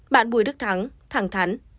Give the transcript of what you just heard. bạn bùi đức thắng thẳng thắn